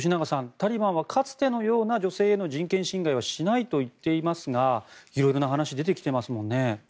タリバンはかつてのような女性への人権侵害はしないと言っていますが色々な話が出てきてますよね。